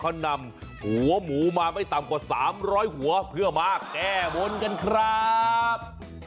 เขานำหัวหมูมาไม่ต่ำกว่า๓๐๐หัวเพื่อมาแก้บนกันครับ